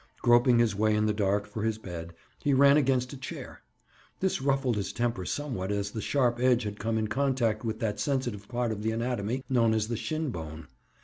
Groping his way in the dark for his bed, he ran against a chair. This ruffled his temper somewhat as the sharp edge had come in contact with that sensitive part of the anatomy, known as the shin bone.